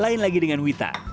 lain lagi dengan wita